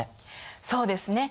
そうですね。